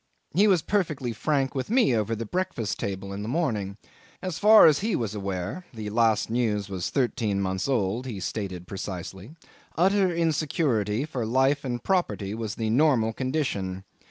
He was perfectly frank with me over the breakfast table in the morning. As far as he was aware (the last news was thirteen months old, he stated precisely), utter insecurity for life and property was the normal condition.